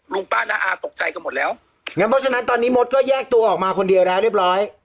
ป้าน้าอาตกใจกันหมดแล้วงั้นเพราะฉะนั้นตอนนี้มดก็แยกตัวออกมาคนเดียวแล้วเรียบร้อย